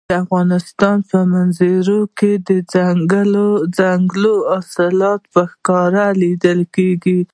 د افغانستان په منظره کې ځنګلي حاصلات په ښکاره لیدل کېږي.